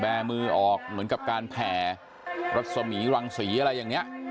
มือออกเหมือนกับการแผ่รัศมีรังศรีอะไรอย่างนี้